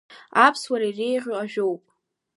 Аԥсуара иреиӷьу ажәоуп!